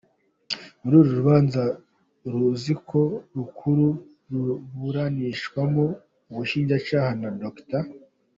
Mu rubanza Urukiko Rukuru ruburanishamo Ubushinjacyaha na Dr.